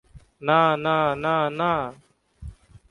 না না না না!